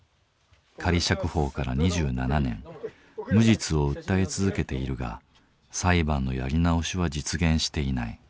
仮釈放から２７年無実を訴え続けているが裁判のやり直しは実現していない。